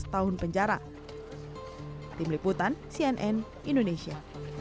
tim liputan cnn indonesia